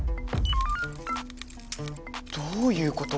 どういうこと？